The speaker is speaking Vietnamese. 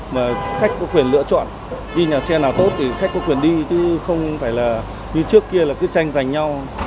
mà khách có quyền lựa chọn đi nhà xe nào tốt thì khách có quyền đi chứ không phải là như trước kia là cứ tranh giành nhau